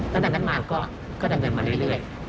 ตั้งแต่มาก็เหนื่อย